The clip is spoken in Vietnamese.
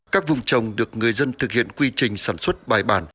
các vùng trồng được người dân thực hiện quy trình sản xuất bài bản